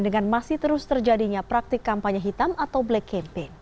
dengan masih terus terjadinya praktik kampanye hitam atau black campaign